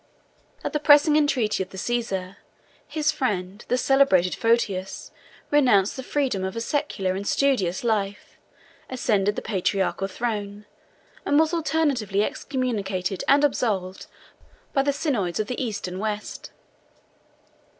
At the pressing entreaty of the Caesar, his friend, the celebrated Photius, 107 renounced the freedom of a secular and studious life, ascended the patriarchal throne, and was alternately excommunicated and absolved by the synods of the East and West.